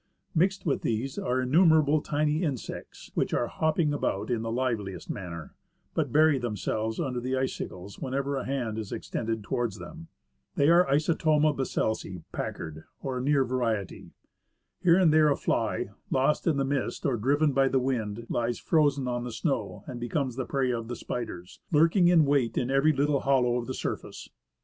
^ Mixed with these are innumerable tiny insects, which are hopping about in the liveliest manner, but bury themselves under the icicles whenever a hand is extended towards them. They are Isotoma Besselsi Packard or a near variety. Here and there a fly, lost in the mist or driven by the wind, lies frozen on the snow, and becomes the prey of the spiders, lurking in wait in every little hollow of the surface.